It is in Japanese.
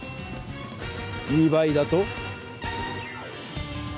２倍だと？